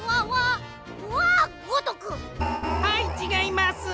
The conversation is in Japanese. はいちがいます！